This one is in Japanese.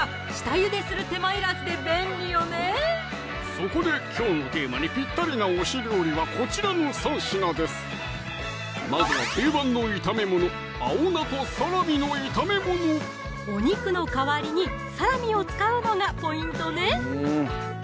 そこできょうのテーマにぴったりな推し料理はこちらの３品ですまずは定番の炒めものお肉の代わりにサラミを使うのがポイントね！